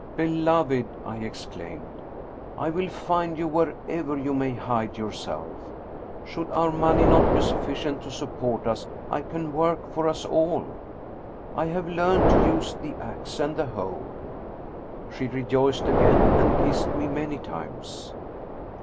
" Beloved," I exclaimed, " I will find you wherever you may hide yourself! Should our money not be sufficient to support us I can work for us all. I have learned to use the ax and the hoe." She rejoiced again and kissed me many times.